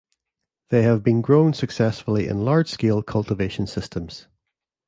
They have been grown successfully in large-scale cultivation systems.